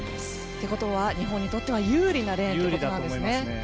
ということは日本にとっては有利なレーンになるんですね。